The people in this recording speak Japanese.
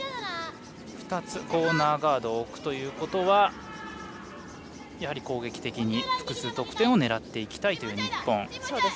２つコーナーガードを置くということは攻撃的に複数得点を狙っていきたいという日本。